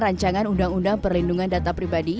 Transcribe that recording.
rancangan undang undang perlindungan data pribadi